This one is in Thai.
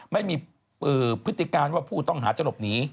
ไม่มีพฤติการว่าผู้ต้องหาจะหลบหนี